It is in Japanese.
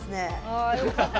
あよかった。